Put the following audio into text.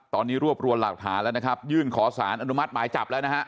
ตอนนี้รวบรวมหลักฐานแล้วนะครับยื่นขอสารอนุมัติหมายจับแล้วนะฮะ